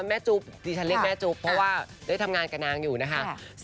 จุ๊บดิฉันเรียกแม่จุ๊บเพราะว่าได้ทำงานกับนางอยู่นะคะ